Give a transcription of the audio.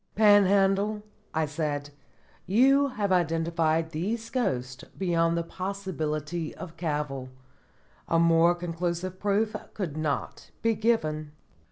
"Panhandle," I said, "you have identified these ghosts beyond the possibility of cavil. A more conclusive proof could not be given."